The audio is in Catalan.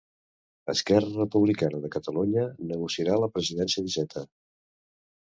Esquerra Republicana de Catalunya negociarà la presidència d'Iceta.